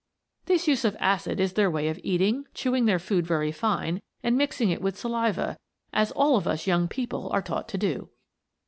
This use of acid is their way of eating; chewing their food very fine, and mixing it with saliva, as all of us young people are taught to do.